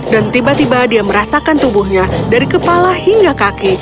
dan tiba tiba dia merasakan tubuhnya dari kepala hingga kaki